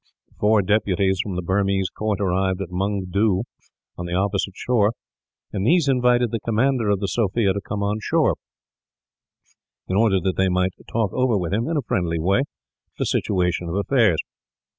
Four deputies from the Burmese court arrived at Mungdoo, on the opposite shore; and these invited the commander of the Sophia to come on shore, in order that they might talk over with him, in a friendly way, the situation of affairs.